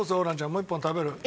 もう１本食べる？